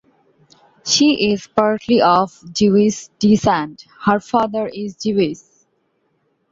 She is partly of Jewish descent (her father is Jewish).